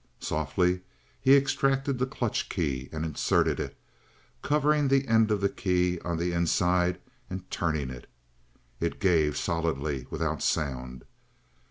Softly he extracted the clutch key and inserted it, covering the end of the key on the inside and turning it. It gave solidly without sound.